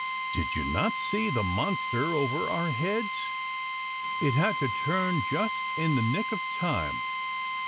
Did you not see the monster over our heads? It had to turn just in the nick of time.